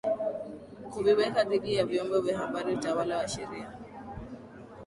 kuviweka dhidi ya vyombo vya habari utawala wa sheria